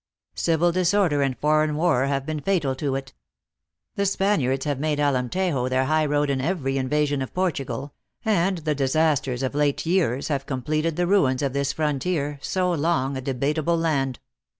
Civil disorder and foreign war have been fatal to it. The Spaniards have made Alemtejo their highroad in every invasion of Portugal ; and the disasters of late years have completed the ruins of this frontier, so long a debatable land.